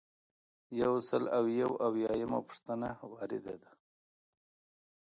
یو سل او یو اویایمه پوښتنه وارده ده.